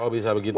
oh bisa begitu ya